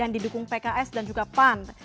dan didukung pks dan juga pan